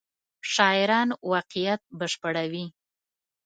شاعران واقعیت بشپړوي.